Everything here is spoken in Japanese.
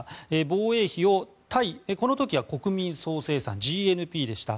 防衛費を対、この時は国民総生産・ＧＮＰでした。